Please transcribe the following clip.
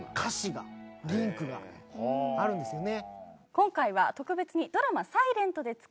今回は特別に。